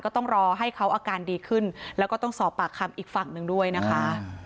ต้องรอให้เขาอาการดีขึ้นแล้วก็ต้องสอบปากคำอีกฝั่งหนึ่งด้วยนะคะ